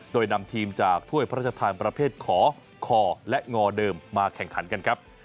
โดยนำทีมจากถ้วยพระราชทานประเภทขอคอและงอเดิมมาแข่งขันกันครับ